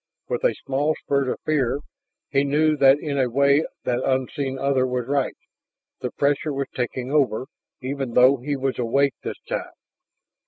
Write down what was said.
With a small spurt of fear he knew that in a way that unseen other was right; the pressure was taking over, even though he was awake this time.